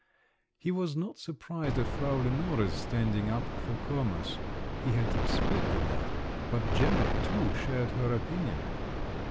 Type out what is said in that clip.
He was not surprised at Frau Lenore's standing up for commerce—he had expected that; but Gemma too shared her opinion.